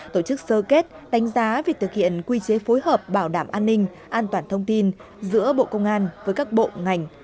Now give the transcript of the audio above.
tổ chức sơ kết đánh giá việc thực hiện quy chế phối hợp bảo đảm an ninh an toàn thông tin giữa bộ công an với các bộ ngành